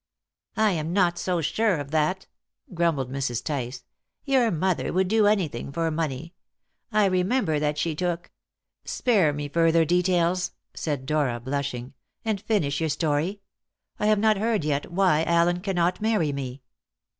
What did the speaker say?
"I am not so sure of that," grumbled Mrs. Tice. "Your mother would do anything for money. I remember that she took " "Spare me further details," said Dora, blushing, "and finish your story. I have not heard yet why Allen cannot marry me."